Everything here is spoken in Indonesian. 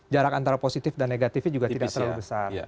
jarak antara positif dan negatifnya juga tidak terlalu besar